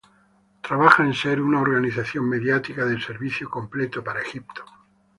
Trabaja en ser una organización mediática de servicio completo para Egipto.